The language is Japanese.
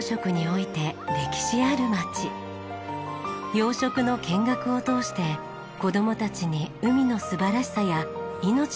養殖の見学を通して子供たちに海の素晴らしさや命の神秘を伝えています。